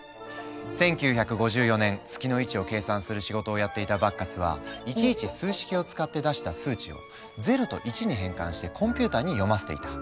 １９５４年月の位置を計算する仕事をやっていたバッカスはいちいち数式を使って出した数値を０と１に変換してコンピューターに読ませていた。